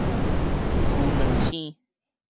牛郎星